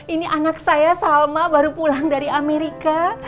ini anak saya salma baru pulang dari amerika